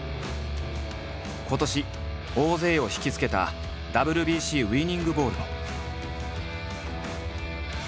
今年大勢を引きつけたＷＢＣウイニングボールも。